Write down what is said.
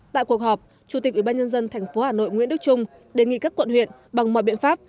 tại cuộc họp chủ tịch ủy ban nhân dân tp hà nội nguyễn đức trung đề nghị các quận huyện bằng mọi biện pháp